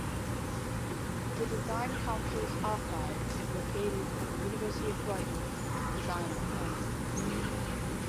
The Design Council's archive is located at the University of Brighton Design Archives.